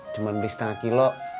cuma beli setengah kilo